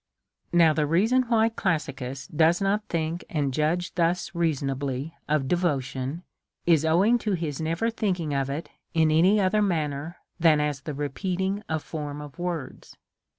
Now, the reason why Classicus does not think and judge thus reasonably of devotion, is owing to his never thinking of it in any other manner than as the repeating a form of words.